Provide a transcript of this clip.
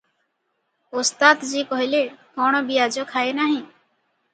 "ଓସ୍ତାଦଜୀ କହିଲେ, କଣ ବିଆଜ ଖାଏ ନାହିଁ?